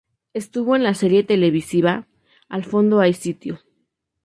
Estuvo en la serie televisiva "Al fondo hay sitio".